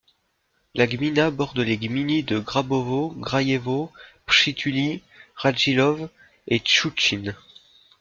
La gmina borde les gminy de Grabowo, Grajewo, Przytuły, Radziłów et Szczuczyn.